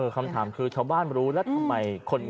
คำถามคือชาวบ้านรู้แล้วทำไมคน